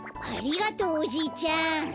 ありがとうおじいちゃん。